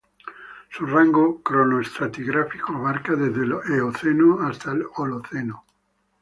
Su rango cronoestratigráfico abarca desde el Eoceno hasta el Holoceno.